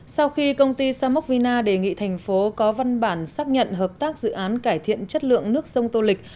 sau khi công ty samoc vina đề nghị thành phố có văn bản xác nhận hợp tác dự án cải thiện chất lượng nước sông tô lịch